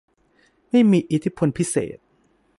ไม่มีอิทธิพลพิเศษ